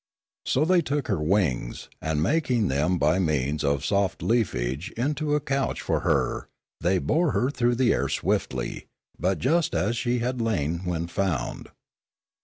So they took her wings, and making them by means of soft leafage into a couch for her, they bore her through the air swiftly, but just as she had lain when found.